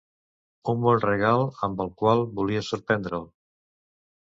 Un bon regal amb el qual volia sorprendre'l.